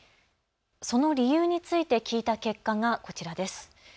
その理由について聞いた結果がこちらです。